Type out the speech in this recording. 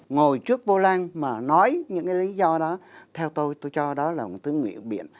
ngồi trước vô lăng mà nói những cái lý do đó theo tôi tôi cho đó là một thứ nguyện biện